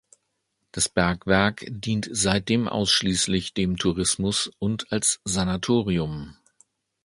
Das Bergwerk dient seitdem ausschließlich dem Tourismus und als Sanatorium.